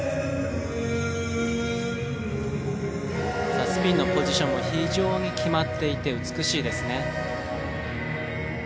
さあスピンのポジションも非常に決まっていて美しいですね。